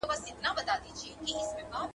• په بد زوى هر وخت پلار ښکنځلی وي.